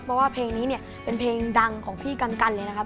เพราะว่าเพลงนี้เนี่ยเป็นเพลงดังของพี่กันกันเลยนะครับ